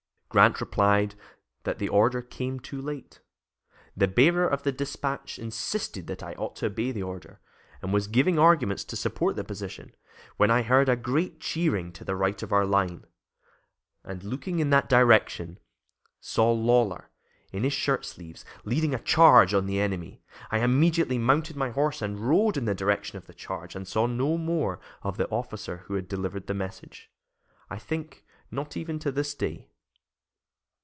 Grant replied that the order came too late. "The bearer of the despatch insisted that I ought to obey the order, and was giving arguments to support the position, when I heard a great cheering to the right of our line, and looking in that direction, saw Lawler, in his shirt sleeves, leading a charge on the enemy. I immediately mounted my horse and rode in the direction of the charge, and saw no more of the officer who had delivered the message; I think not even to this day."